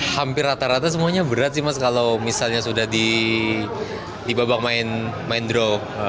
hampir rata rata semuanya berat sih mas kalau misalnya sudah di babak main drop